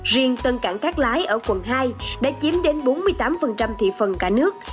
riêng tân cảng cát lái ở quận hai đã chiếm đến bốn mươi tám thị phần cả nước